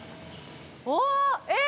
おおえっ？